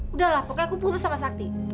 udahlah pokoknya aku putus sama sakti